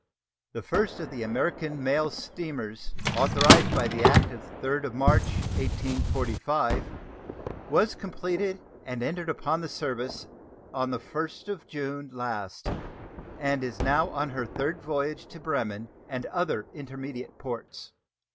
The first of the American mail steamers authorized by the act of the 3d of March, 1845, was completed and entered upon the service on the 1st of June last, and is now on her third voyage to Bremen and other intermediate ports.